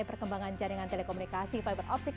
dan perkembangan jaringan telekomunikasi fiberoptik